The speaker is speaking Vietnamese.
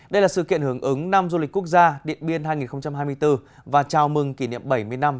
đây là sự kiện hưởng ứng năm du lịch quốc gia điện biên hai nghìn hai mươi bốn và chào mừng kỷ niệm bảy mươi năm